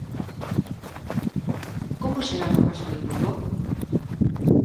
Como será no caso de Lugo?